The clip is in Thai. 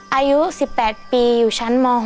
อายุ๑๘ปีอยู่ชั้นม๖